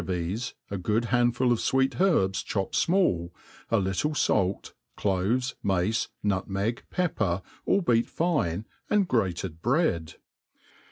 vies„ a good handful of fwect herbs chopped fmall, a little fait, tiloves, mace, nutmeg, pepper, all beat fine, and grated bread.